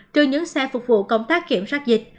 trừ những xe phục vụ công tác kiểm soát dịch